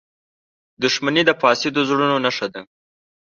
• دښمني د فاسدو زړونو نښه ده.